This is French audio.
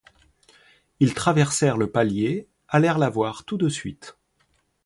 Ils traversèrent le palier, allèrent la voir tout de suite.